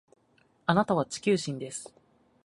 あなたは地球人です